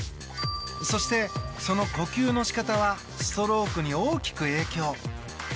そして、その呼吸の仕方はストロークに大きく影響。